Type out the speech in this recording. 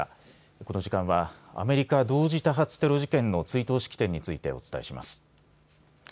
この時間はアメリカ同時多発テロ事件の追悼式典についてお伝えします。